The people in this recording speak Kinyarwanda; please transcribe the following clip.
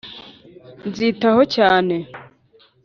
nzitaho cyane.